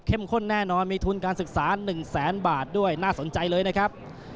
ข้นแน่นอนมีทุนการศึกษา๑แสนบาทด้วยน่าสนใจเลยนะครับ